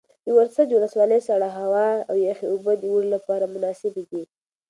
د ورسج ولسوالۍ سړه هوا او یخې اوبه د اوړي لپاره مناسبې دي.